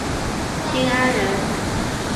新安人。